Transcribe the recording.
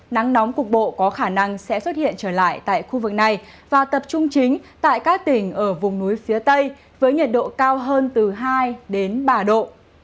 nắng nóng cục bộ có khả năng sẽ xuất hiện trở lại tại khu vực này và tập trung chính tại các tỉnh ở vùng núi phía tây với nhiệt độ cao hơn từ hai ba độ